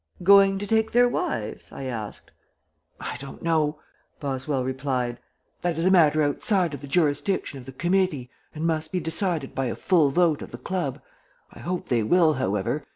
"Going to take their wives?" I asked. "I don't know," Boswell replied. "That is a matter outside of the jurisdiction of the committee and must be decided by a full vote of the club. I hope they will, however.